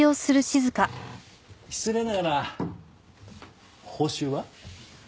失礼ながら報酬は？